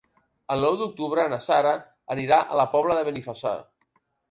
El nou d'octubre na Sara anirà a la Pobla de Benifassà.